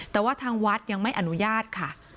แต่ว่าทางวัดยังไม่อนุญาตค่ะ